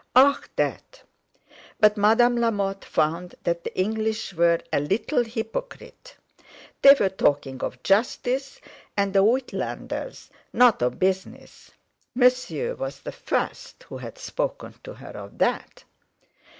"Ah! that!" But Madame Lamotte found that the English were a little hypocrite. They were talking of justice and the Uitlanders, not of business. Monsieur was the first who had spoken to her of that.